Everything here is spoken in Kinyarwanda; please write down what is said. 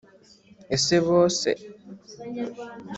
ese bose konji